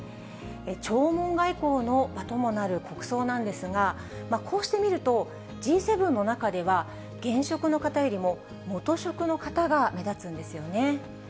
弔問外交の場ともなる国葬なんですが、こうしてみると、Ｇ７の中では現職の方よりも元職の方が目立つんですよね。